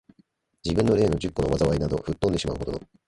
自分の例の十個の禍いなど、吹っ飛んでしまう程の、